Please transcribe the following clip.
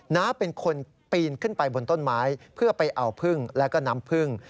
น้าเป็นคนปีนขึ้นไปบนต้นไม้เพื่อไปเอาพึ่งแล้วก็น้ำพึ่ง